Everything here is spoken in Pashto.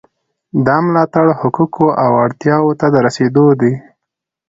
دا ملاتړ حقوقو او اړتیاوو ته د رسیدو دی.